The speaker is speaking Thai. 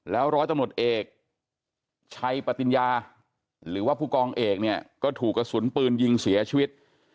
ร้อยตำรวจเอกชัยปติญญาหรือว่าผู้กองเอกเนี่ยก็ถูกกระสุนปืนยิงเสียชีวิต